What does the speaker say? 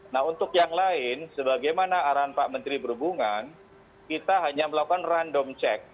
nah untuk yang lain sebagaimana arahan pak menteri berhubungan kita hanya melakukan random check